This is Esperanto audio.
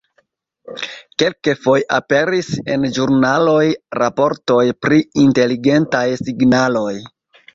Kelkfoje aperis en ĵurnaloj raportoj pri inteligentaj signaloj.